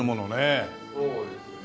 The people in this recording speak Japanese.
そうですね。